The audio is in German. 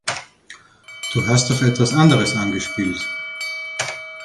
Du hast auf etwas anderes angespielt.